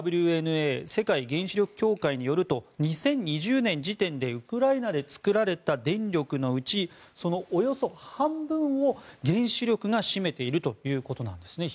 ＷＮＡ・世界原子力協会によると２０２０年時点でウクライナで作られた電力のうち、およそ半分を原子力が占めているということです。